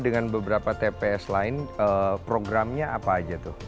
dengan beberapa tps lain programnya apa aja tuh